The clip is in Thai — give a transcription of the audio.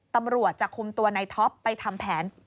ตำรวจจะคุมตัวในท็อปไปทำแผน